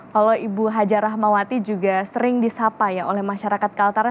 kalau ibu hajar rahmawati juga sering disapa ya oleh masyarakat kaltara